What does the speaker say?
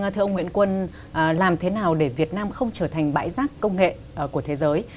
thưa ông nguyễn quân làm thế nào để việt nam không trở thành bãi rác công nghệ của thế giới